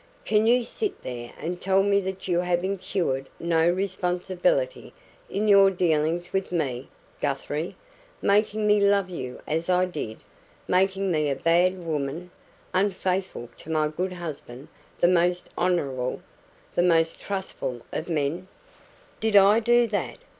Can you sit there and tell me that you have incurred no responsibility in your dealings with me, Guthrie making me love you as I did making me a bad woman unfaithful to my good husband the most honourable, the most trustful of men " "Did I do that?